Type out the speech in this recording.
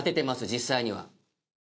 実際には。